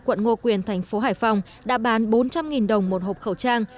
quận ngô quyền tp hải phòng đã bán bốn trăm linh đồng một hộp khẩu trang